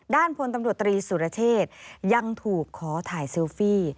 พลตำรวจตรีสุรเชษยังถูกขอถ่ายเซลฟี่